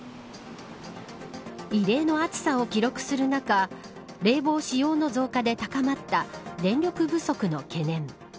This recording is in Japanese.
異例な暑さを記録する中冷房使用の増加で高まった電力不足の懸念。